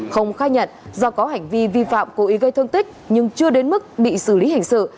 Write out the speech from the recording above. không khai nhận do có hành vi vi phạm cố ý gây thương tích nhưng chưa đến mức bị xử lý hình sự